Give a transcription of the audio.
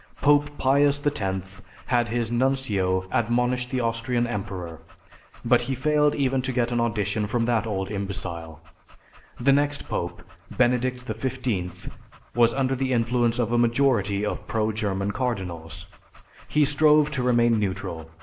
Pope Pius X had his Nuncio admonish the Austrian emperor, but he failed even to get an audition from that old imbecile. The next Pope, Benedict XV, was under the influence of a majority of pro German cardinals. He strove to remain neutral.